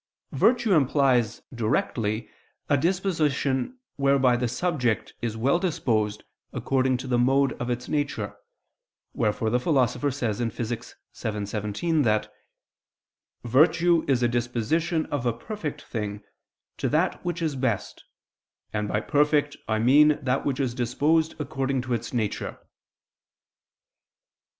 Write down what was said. Virtue implies directly a disposition whereby the subject is well disposed according to the mode of its nature: wherefore the Philosopher says (Phys. vii, text. 17) that "virtue is a disposition of a perfect thing to that which is best; and by perfect I mean that which is disposed according to its nature."